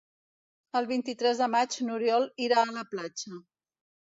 El vint-i-tres de maig n'Oriol irà a la platja.